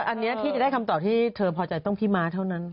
อันนี้ที่จะได้คำตอบที่เธอพอใจต้องพี่ม้าเท่านั้น